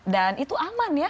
dan itu aman ya